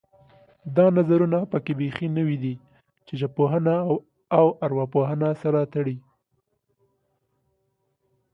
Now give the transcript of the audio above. دا نظرونه پکې بیخي نوي دي چې ژبپوهنه او ارواپوهنه سره تړي